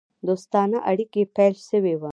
دوستانه اړېکي پیل سوي وه.